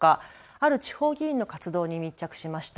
ある地方議員の活動に密着しました。